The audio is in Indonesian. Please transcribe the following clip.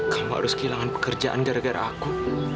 kamu harus kehilangan pekerjaan gara gara aku